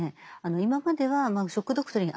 今までは「ショック・ドクトリン」